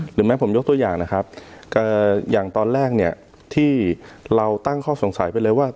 หรือแม้ผมยกตัวอย่างนะครับอย่างตอนแรกเนี่ยที่เราตั้งข้อสงสัยไปเลยว่า